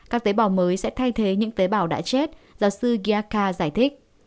các tế bào mới sẽ thay thế những tế bào đã chết giáo sư yaka giải thích